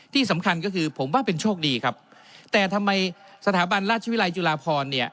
ที่สำคัญก็คือผมว่าเป็นโชคดีครับแต่ทำไมสถาบันราชวิรัยจุฬาพรเนี่ย